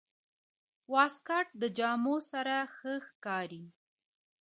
واسکټ د جامو سره ښه ښکاري.